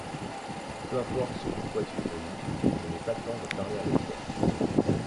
Peu importe ce pourquoi tu es venu, je n'ai pas le temps de parler avec toi.